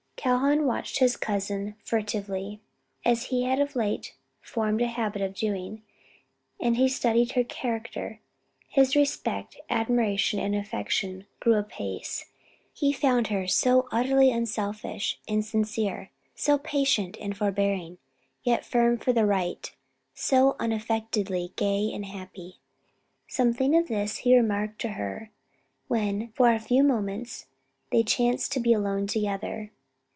Calhoun watched his cousin furtively, as he had of late formed a habit of doing: and as he studied her character, his respect, admiration, and affection grew apace; he found her so utterly unselfish and sincere, so patient and forbearing, yet firm for the right, so unaffectedly gay and happy. Something of this he remarked to her when for a few moments they chanced to be alone together.